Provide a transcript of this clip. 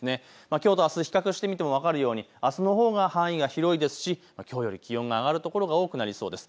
きょうとあす、比較してみても分かるように、あすのほうが範囲が広いですし、きょうより気温が上がる所が多くなりそうです。